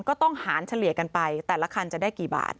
ก็ต้องหารเฉลี่ยกันไปแต่ละคันจะได้กี่บาท